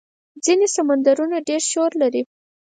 ځینې سمندرونه ډېر شور لري.